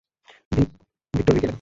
ভিক, - Victor Vic এলেন।